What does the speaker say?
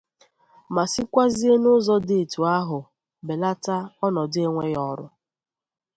ma sikwazie n'ụzọ dị etu ahụ bèlata ọnọdụ enweghị ọrụ.